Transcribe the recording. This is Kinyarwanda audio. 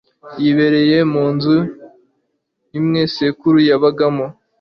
Yibera munzu imwe sekuru yabagamo.